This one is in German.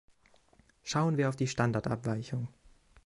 Schauen wir auf die Standardabweichung.